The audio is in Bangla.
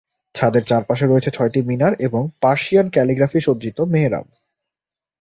ছাদের চারপাশে রয়েছে ছয়টি মিনার এবং পার্সিয়ান ক্যালিগ্রাফি সজ্জিত মেহরাব।